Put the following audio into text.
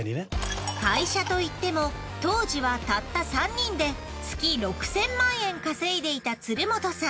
会社といっても当時はたった３人で月６，０００万円稼いでいた弦本さん。